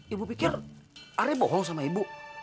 ibu pikir are bohong sama ibu